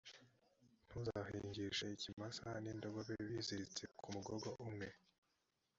ntuzahingishe ikimasa n’indogobe biziritse ku mugogo umwe.